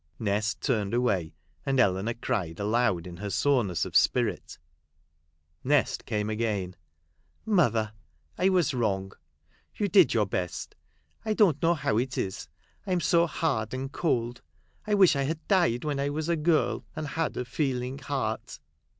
Nest turned away, and Eleanor cried aloud in her soreness of spirit. Nest came again. " Mother, I was wrong. You did your best. I don't know how it is I am so hard and cold. I wish I had died when I was a girl, and had a feeling heart."